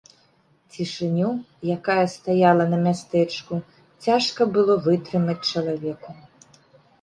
Цішыню, якая стаяла на мястэчку, цяжка было вытрымаць чалавеку.